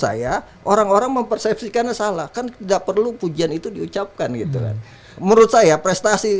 saya orang orang mempersepsikannya salah kan tidak perlu pujian itu diucapkan gitu kan menurut saya prestasi